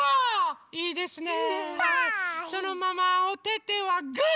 そのままおててはグー！